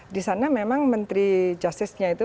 di sana memang menteri justice nya itu